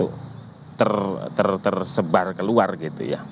itu tersebar keluar gitu ya